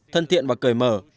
thân thiện và cởi mở